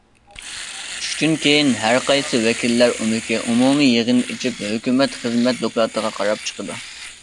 چۈشتىن كېيىن، ھەرقايسى ۋەكىللەر ئۆمىكى ئومۇمىي يىغىن ئېچىپ، ھۆكۈمەت خىزمەت دوكلاتىغا قاراپ چىقىدۇ.